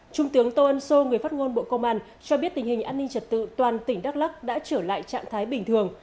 trung tướng tô ân sô người phát ngôn bộ công an cho biết tình hình an ninh trật tự toàn tỉnh đắk lắc đã trở lại trạng thái bình thường